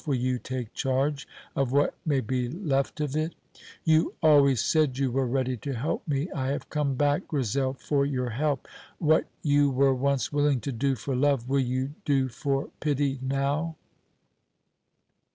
Will you take charge of what may be left of it? You always said you were ready to help me. I have come back, Grizel, for your help. What you were once willing to do for love, will you do for pity now?"